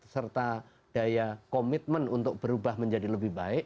serta daya komitmen untuk berubah menjadi lebih baik